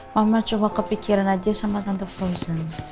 mama cuma kepikiran aja sama tante frozen